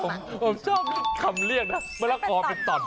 ผมชอบคำเรียกนะมะละกอเป็นต่อน